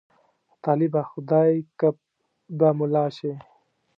طالبه! خدای که به ملا شې.